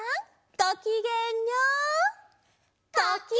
ごきげんよう！